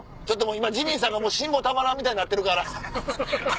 今ジミーさんが辛抱たまらんみたいになってるから。